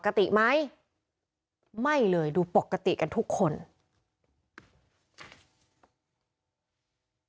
เมื่อวานแบงค์อยู่ไหนเมื่อวาน